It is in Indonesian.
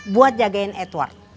buat jagain edward